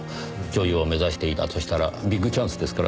女優を目指していたとしたらビッグチャンスですからねぇ。